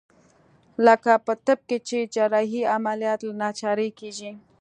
لکه په طب کښې چې جراحي عمليات له ناچارۍ کېږي.